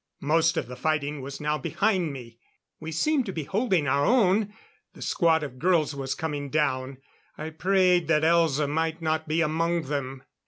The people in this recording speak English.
Most of the fighting was now behind me. We seemed to be holding our own ... the squad of girls was coming down; I prayed that Elza might not be among them....